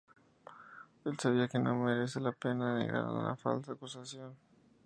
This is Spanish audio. Él sabía que no merece la pena negar la falsa acusación.